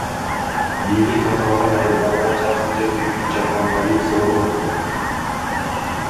Бийлик аталган айылдарга жакын жерде үч жаткан полиция орнотту.